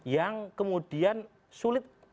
yang kemudian sulit